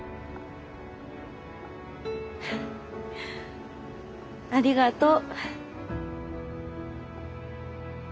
フフありがとう。